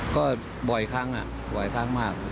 ก็บ่อยครั้งบ่อยครั้งมาก